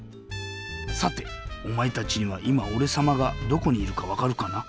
さておまえたちにはいまおれさまがどこにいるかわかるかな？